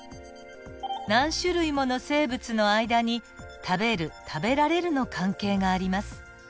何種類もの生物の間に食べる食べられるの関係があります。